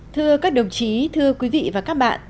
thưa các đồng chí thưa quý vị và các bạn